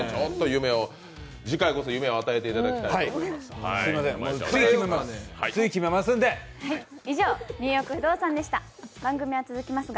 次回こそ夢を与えていただきたいと思いますね。